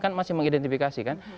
kan masih mengidentifikasi kan